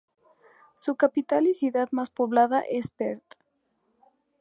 Su capital y ciudad más poblada es Perth.